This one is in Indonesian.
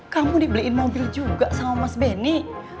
kamu dibeliin mobil juga sama mas benny